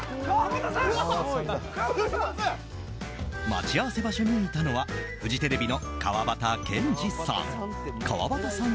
待ち合わせ場所にいたのはフジテレビの川端健嗣さん。